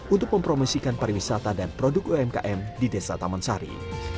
untuk mempromosikan pariwisata dan produk umkm di desa taman sari